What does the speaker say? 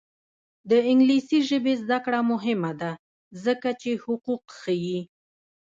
د انګلیسي ژبې زده کړه مهمه ده ځکه چې حقوق ښيي.